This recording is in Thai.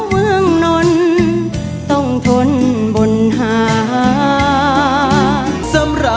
แฟนออกปากค่ะ